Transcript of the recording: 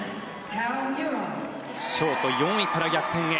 ショート４位から逆転へ。